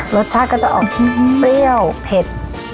รสชาติก็จะออกเปรี้ยวเผ็ด